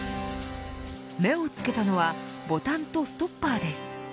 目をつけたのはボタンとストッパーです。